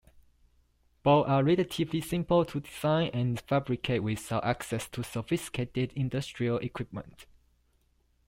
Both are relatively simple to design and fabricate without access to sophisticated industrial equipment.